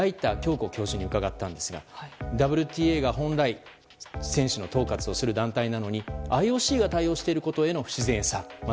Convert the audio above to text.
享子教授に伺ったんですがＷＴＡが本来選手の統括をする団体なのにＩＯＣが対応していることへの違和感、不自然さ。